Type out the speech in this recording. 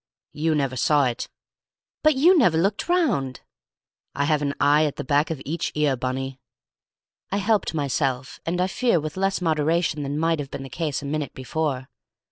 "You never saw it." "But you never looked round." "I have an eye at the back of each ear, Bunny." I helped myself and I fear with less moderation than might have been the case a minute before.